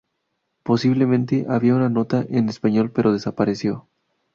Posiblemente había una nota en español, pero desapareció.